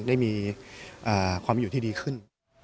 ได้มีความอยู่ที่ดีขึ้น